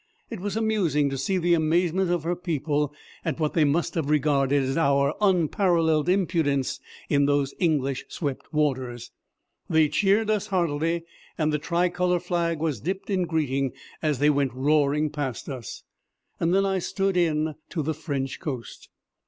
It was amusing to see the amazement of her people at what they must have regarded as our unparalleled impudence in those English swept waters. They cheered us heartily, and the tricolour flag was dipped in greeting as they went roaring past us. Then I stood in to the French coast.